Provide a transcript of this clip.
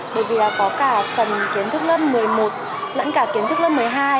bởi vì có cả phần kiến thức lớp một mươi một lẫn cả kiến thức lớp một mươi hai